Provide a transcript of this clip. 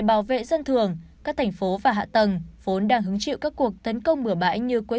bảo vệ dân thường các thành phố và hạ tầng vốn đang hứng chịu các cuộc tấn công bửa bãi như cuối